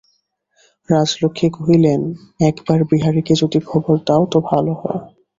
রাজলক্ষ্মী কহিলেন, একবার বিহারীকে যদি খবর দাও তো ভালো হয়।